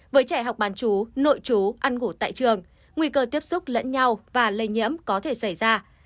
với trẻ học bán chú nội chú ăn ngủ tại trường nguy cơ tiếp xúc lẫn nhau và lây nhiễm có thể xảy ra